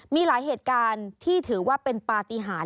มีหลายเหตุการณ์ที่ถือว่าเป็นปฏิหาร